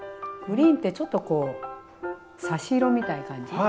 グリーンってちょっとこう差し色みたいな感じ。